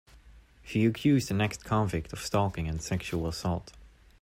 She accused an ex-convict of stalking and sexual assault.